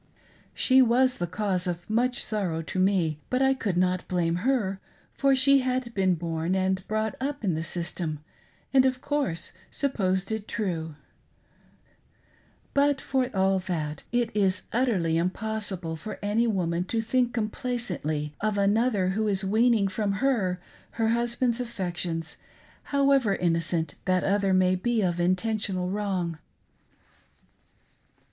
She was the cause of much sorrow to me, but I could not blame her, for she had been born and brought up in the system, and, of course, supposed it true ; but, for all that, it is utterly impossible for any woman to think complacently of another who is weaning from her her husband's affections, however innocent that other may be of intentional wrong.